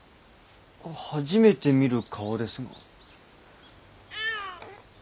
初めて見る顔ですが。